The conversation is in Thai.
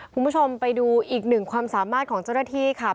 คุณผู้ชมไปดูอีกหนึ่งความสามารถของเจ้าหน้าที่ค่ะ